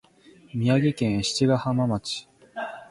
宮城県七ヶ浜町